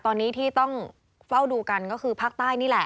ตอนนี้ที่ต้องเฝ้าดูกันก็คือภาคใต้นี่แหละ